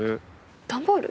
段ボール？